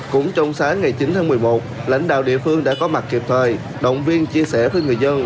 cũng trong sáng ngày chín tháng một mươi một lãnh đạo địa phương đã có mặt kịp thời động viên chia sẻ với người dân